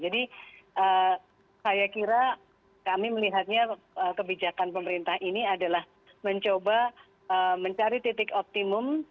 saya kira kami melihatnya kebijakan pemerintah ini adalah mencoba mencari titik optimum